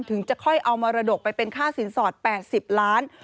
ถึงจะค่อยเอามรดกไปเป็นค่าสินสอด๘๐ล้าน